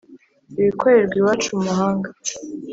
ibikorerwa iwacu mu mahanga.